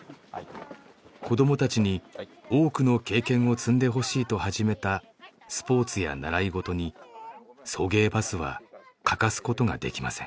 子どもたちに多くの経験を積んでほしいと始めたスポーツや習い事に送迎バスは欠かすことができません。